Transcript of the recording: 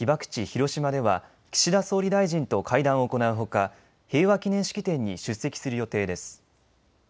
広島では岸田総理大臣と会談を行うほか平和記念式典に出席する予定です。